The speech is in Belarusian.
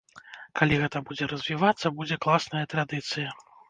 Калі гэта будзе развівацца, будзе класная традыцыя.